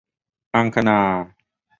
อังคณา